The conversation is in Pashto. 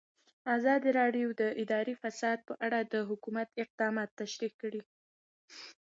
ازادي راډیو د اداري فساد په اړه د حکومت اقدامات تشریح کړي.